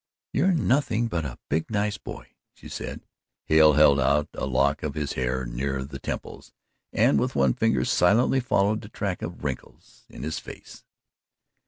"You're nothing but a big, nice boy," she said. Hale held out a lock of his hair near the temples and with one finger silently followed the track of wrinkles in his face.